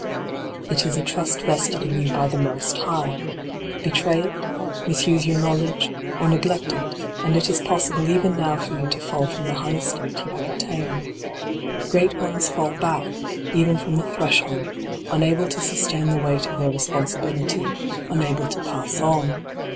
It is a trust vested in you by the Most High. Betray it, misuse your knowledge, or neglect it, and it is possible even now for you to fall from the high estate you have attained. d by Google 20 LIGHT ON THE PATH Great ones fall back, even from the thres hold, unable to sustain the weight of their responsibility, unable to pass on.